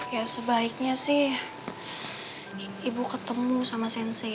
ya sebaiknya sih ibu ketemu sama sensi